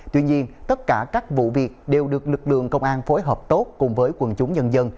tuy nhiên tất cả các vụ việc đều được lực lượng công an phối hợp tốt cùng với quần chúng nhân dân